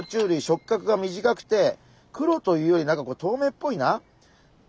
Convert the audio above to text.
触角が短くて黒というよりなんかとうめいっぽいな。